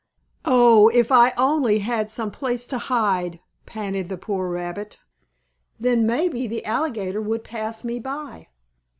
"Oh, if I only had some place to hide!" panted the poor rabbit. "Then maybe the alligator would pass me by."